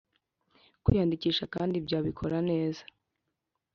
kwiyandikisha, kandi ibyo abikora neza